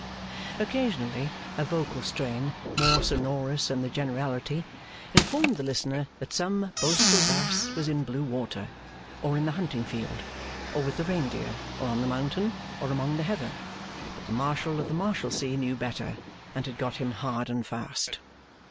Occasionally, a vocal strain more sonorous than the generality informed the listener that some boastful bass was in blue water, or in the hunting field, or with the reindeer, or on the mountain, or among the heather; but the Marshal of the Marshalsea knew better, and had got him hard and fast.